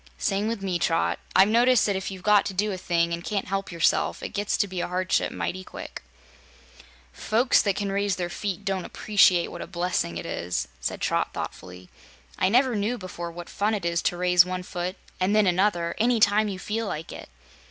"Same with me, Trot. I've noticed that if you've got to do a thing, and can't help yourself, it gets to be a hardship mighty quick." "Folks that can raise their feet don't appreciate what a blessing it is," said Trot thoughtfully. "I never knew before what fun it is to raise one foot, an' then another, any time you feel like it."